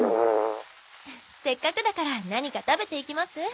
せっかくだから何か食べていきます？